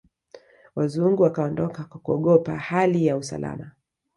Wazungu wakaondoka kwa kuogopa hali ya usalama